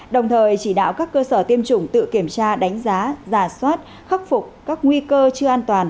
đồng thời chỉ đạo các cơ sở tiêm chủng tự kiểm tra đánh giá giả soát khắc phục các nguy cơ chưa an toàn